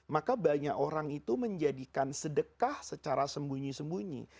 maka banyak orang itu menjadikan sedekah secara sembunyi sembunyi